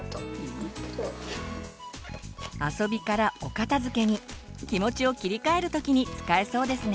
遊びからお片づけに気持ちを切り替える時に使えそうですね。